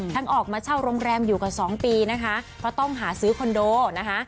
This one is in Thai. ออกมาเช่าโรงแรมอยู่กับสองปีนะคะเพราะต้องหาซื้อคอนโดนะคะ